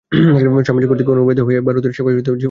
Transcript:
স্বামীজী কর্তৃক অনুপ্রাণিত হইয়া ভারতের সেবায় জীবন উৎসর্গ করেন।